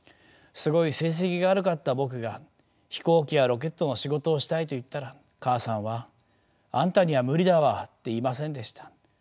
すごい成績が悪かった僕が飛行機やロケットの仕事をしたいと言ったら母さんは「あんたには無理だわ」って言いませんでした。